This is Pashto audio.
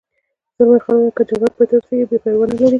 زلمی خان وویل: که جګړه پای ته ورسېږي بیا پروا نه لري.